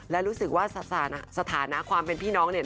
และรู้สึกว่าสถานะความเป็นพี่น้องเนี่ย